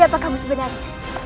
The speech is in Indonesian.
aku akan menangkapnya